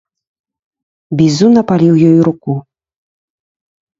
Бізун апаліў ёй руку.